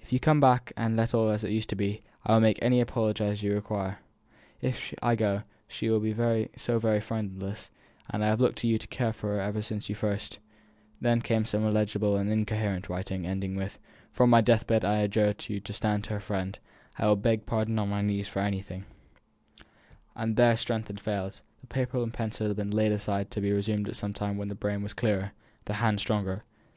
If you will come back and let all be as it used to be, I will make any apology you may require. If I go, she will be so very friendless; and I have looked to you to care for her ever since you first " Then came some illegible and incoherent writing, ending with, "From my deathbed I adjure you to stand her friend; I will beg pardon on my knees for anything " And there strength had failed; the paper and pencil had been laid aside to be resumed at some time when the brain was clearer, the hand stronger.